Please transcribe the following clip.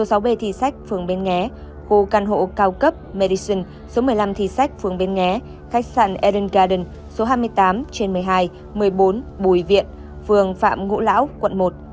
số sáu b thị sách phường bến nghé khu căn hộ cao cấp medicine số một mươi năm thị sách phường bến nghé khách sạn eden garden số hai mươi tám trên một mươi hai một mươi bốn bùi viện phường phạm ngũ lão quận một